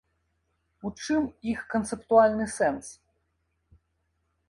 У чым іх канцэптуальны сэнс?